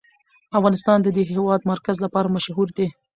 افغانستان د د هېواد مرکز لپاره مشهور دی.